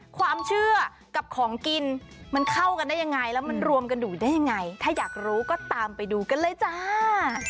ความเชื่อกับของกินมันเข้ากันได้ยังไงแล้วมันรวมกันอยู่ได้ยังไงถ้าอยากรู้ก็ตามไปดูกันเลยจ้า